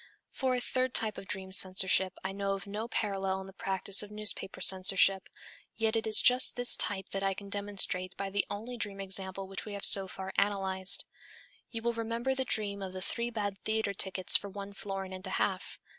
For a third type of dream censorship I know of no parallel in the practice of newspaper censorship, yet it is just this type that I can demonstrate by the only dream example which we have so far analyzed. You will remember the dream of the "three bad theatre tickets for one florin and a half."